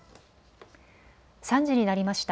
３時になりました。